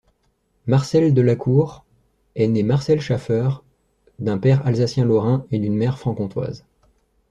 Marcelle de Lacour est née Marcelle Schaeffer d'un père alsacien-lorrain et d'une mère franc-comtoise.